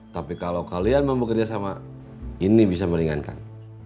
tapi kalau kalian mampu kerjasama ini bisa meringankan